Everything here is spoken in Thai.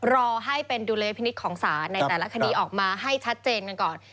รอให้เป็นดุลยพินิษฐ์ของศาลในแต่ละคดีออกมาให้ชัดเจนกันก่อน